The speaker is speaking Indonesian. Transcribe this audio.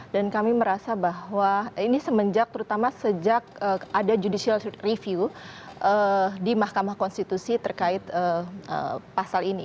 dan kami merasa bahwa ini semenjak terutama sejak ada judicial review di mahkamah konstitusi terkait pasal ini